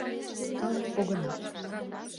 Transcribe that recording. Калык погына.